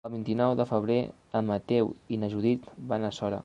El vint-i-nou de febrer en Mateu i na Judit van a Sora.